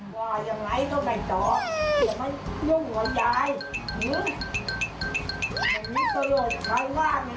ไปไหนตามคุณยายไป